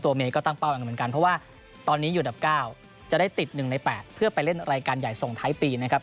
เมย์ก็ตั้งเป้ากันเหมือนกันเพราะว่าตอนนี้อยู่อันดับ๙จะได้ติด๑ใน๘เพื่อไปเล่นรายการใหญ่ส่งท้ายปีนะครับ